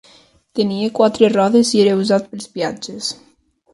Tenia quatre rodes i era usat pels viatges.